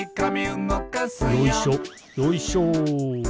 よいしょよいしょ。